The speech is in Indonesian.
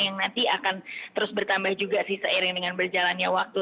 yang nanti akan terus bertambah juga sih seiring dengan berjalannya waktu